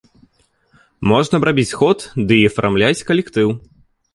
Можна б рабіць сход ды і афармляць калектыў.